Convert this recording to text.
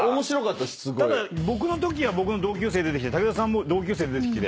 ただ僕のときは僕の同級生出てきて武田さんも同級生出てきて。